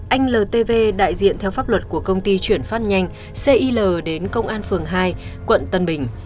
anh ltv đại diện theo pháp luật của công ty chuyển phát nhanh cil đến công an phường hai quận tân bình